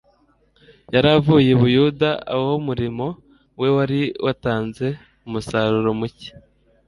Yari avuye i Buyuda, aho umurimo we wari watanze umusaruro mucye